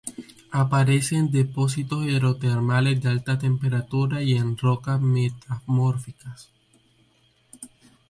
Aparece en depósitos hidrotermales de alta temperatura, y en rocas metamórficas.